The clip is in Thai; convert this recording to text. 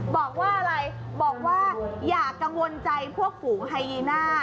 บอกว่าอะไรบอกว่าอย่ากังวลใจพวกฝูงไฮยีน่า